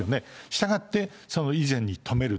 したがって、その以前に止める。